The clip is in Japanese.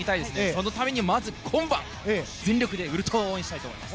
そのためにもまずは今晩全力でウルトラ応援したいと思います。